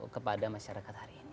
kepada masyarakat hari ini